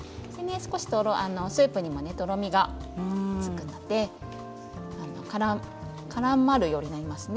スープにも少しとろみがつくのでからまるようになりますね